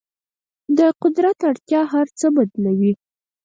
د قدرت اړتیا هر څه بدلوي.